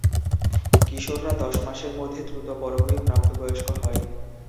কিশোররা দশ মাসের মধ্যে দ্রুত বড় হয়ে প্রাপ্তবয়স্ক হয়।